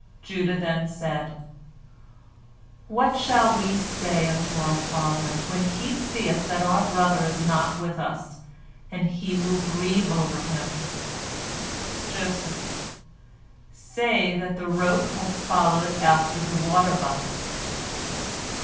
Judah then said: "What shall we say unto our father, when he seeth that our brother is not with us, and he will grieve over him?" Joseph: "Say that the rope hath followed after the water bucket."